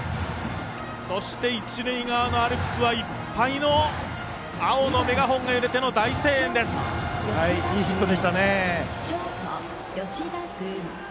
そして、一塁側のアルプスはいっぱいの青メガホンが揺れてのいいヒットでしたね。